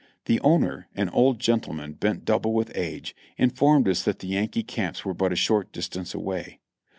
The owner, an old gentleman bent double with age, informed us that the Yankee camps were but a short distance away.